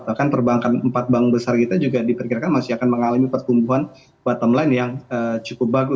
bahkan perbankan empat bank besar kita juga diperkirakan masih akan mengalami pertumbuhan bottom line yang cukup bagus